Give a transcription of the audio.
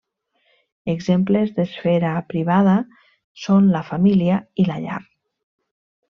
Exemples d'esfera privada són la família i la llar.